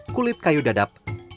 kulit kayu dadap